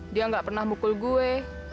dia gak pernah mukul gue